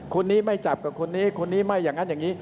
คนนี้ไหมจับกับคนนี้คนนี้ไหม